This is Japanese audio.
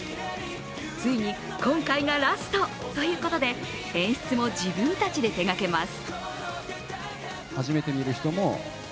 ついに今回がラスト。ということで演出も自分たちで手がけます。